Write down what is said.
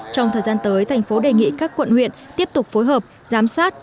trong thời gian tới thành phố đề nghị các quận huyện tiếp tục phối hợp giám sát